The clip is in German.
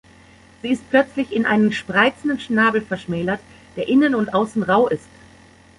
Sie ist plötzlich in einen spreizenden Schnabel verschmälert, der innen und außen rau ist.